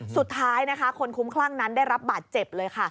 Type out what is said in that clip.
สุดท้ายนะคะคนคุ้มคลั่งนั้นได้รับบาดเจ็บเลยค่ะ